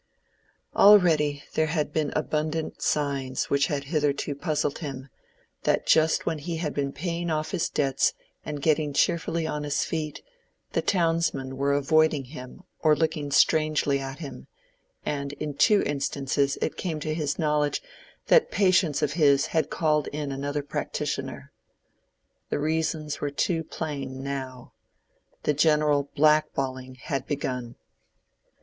Already there had been abundant signs which had hitherto puzzled him, that just when he had been paying off his debts and getting cheerfully on his feet, the townsmen were avoiding him or looking strangely at him, and in two instances it came to his knowledge that patients of his had called in another practitioner. The reasons were too plain now. The general black balling had begun.